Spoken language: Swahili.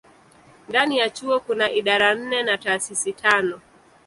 Ndani ya chuo kuna idara nne na taasisi tano.